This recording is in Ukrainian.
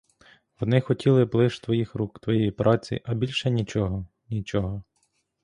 Вони хотіли б лиш твоїх рук, твоєї праці, а більше нічого, нічого!